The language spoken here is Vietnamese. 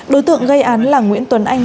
đối tượng gây án là nguyễn tuấn anh